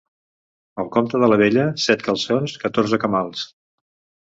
El compte de la vella: set calçons, catorze camals.